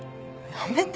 やめて！